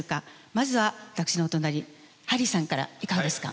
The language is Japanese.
まずは私のお隣ハリーさんからいかがですか。